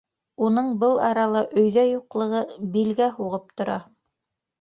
Уның был арала өйҙә юҡлығы билгә һуғып тора.